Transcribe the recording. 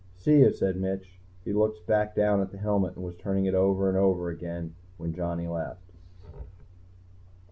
"See you," said Mitch. He looked back down at the helmet and was turning it over and over again when Johnny left.